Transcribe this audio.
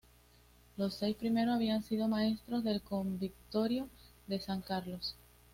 Los seis primeros habían sido maestros del Convictorio de San Carlos.